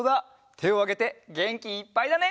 てをあげてげんきいっぱいだね！